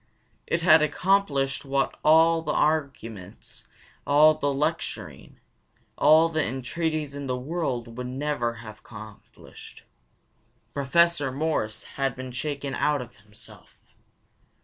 It had accomplished what all the arguments, all the lecturing, all the entreaties in the world would never have accomplished. Professor Morris had been shaken out of himself.